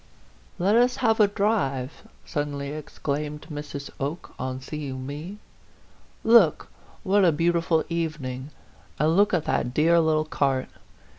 " Let us have a drive !" suddenly exclaimed Mrs. Oke, on seeing me. " Look, what a beau tiful evening and look at that dear little cart